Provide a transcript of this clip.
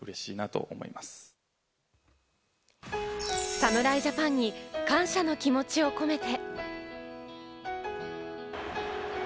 侍ジャパンに感謝の気持ちを込めて。